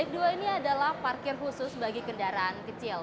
dua ini adalah parkir khusus bagi kendaraan kecil